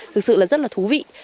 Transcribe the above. thực sự là rất là thú vị